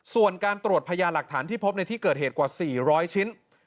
ส่วนการตรวจพยาหลักฐานที่พบในที่เกิดเหตุกว่า๔๐๐ชิ้น